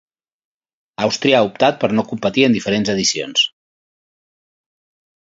Àustria ha optat per no competir en diferents edicions.